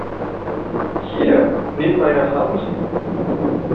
Hier, nimm meine Hand!